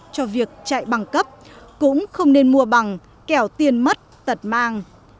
cho việc chạy bằng cấp cũng không nên mua bằng kẻo tiền mất tật mang